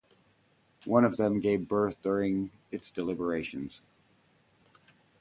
One of them gave birth during its deliberations.